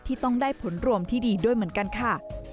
ที่ต้องได้ผลรวมที่ดีด้วยเหมือนกันค่ะ